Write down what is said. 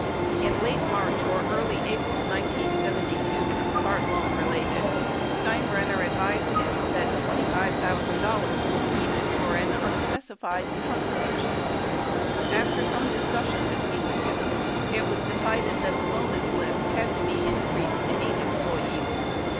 In late March or early April 1972, Bartlome related, Steinbrenner ad vised him that $25,000 was needed for an unspecified contribution. After some discussion between the two, it was decided that the bonus list had to be increased to eight employees.